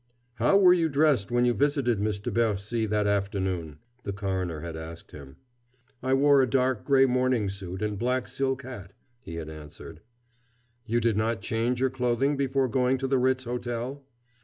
"How were you dressed when you visited Miss de Bercy that afternoon?" the coroner had asked him. "I wore a dark gray morning suit and black silk hat," he had answered. "You did not change your clothing before going to the Ritz Hotel?"